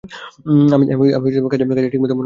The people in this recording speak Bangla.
আমি কাজে ঠিকমত মনোযোগ দিতে পারি না।